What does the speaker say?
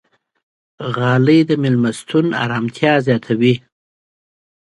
غالۍ د میلمستون ارامتیا زیاتوي.